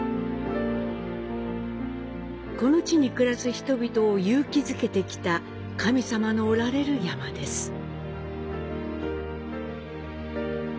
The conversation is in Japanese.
この地に暮らす人々を勇気づけてきた神様のおられる山です。